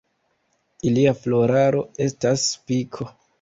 Ilia floraro estas spiko.